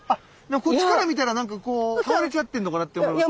こっちから見たらなんかこう倒れちゃってんのかなって思います。